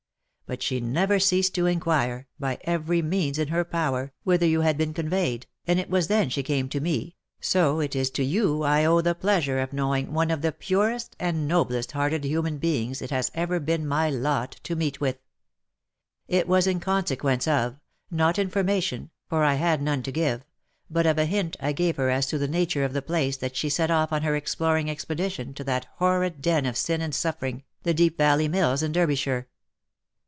But she never ceased to inquire, by every means in her power, whither you had been conveyed, and it was then she came to me, so that it is to you I owe the pleasure of knowing one of the purest and noblest hearted human beings it has ever been my lot to meet with. It was in consequence of — not information, for I had none to give — but of a hint I gave her as to the nature of the place, that she set off on her exploring expedition to that horrid den of sin and suffer ing, the Deep Valley Mills, in Derbyshire.